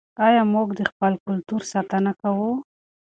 آیا موږ د خپل کلتور ساتنه کوو؟